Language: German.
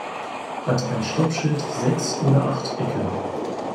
Hat ein Stoppschild sechs oder acht Ecken?